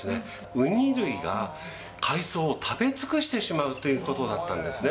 ウニ類が海藻を食べ尽くしてしまうということだったんですね。